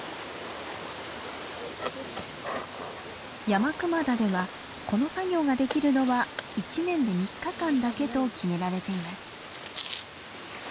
山熊田ではこの作業ができるのは１年で３日間だけと決められています。